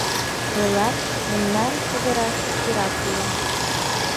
— Ойлат, мемнан чодыраште пират уло.